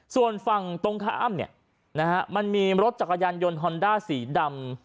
ส่วนฝั่งตรงข้ามอ้ำเนี่ยนะฮะมันมีรถจักรยานยนต์ฮอนด้าสีดำ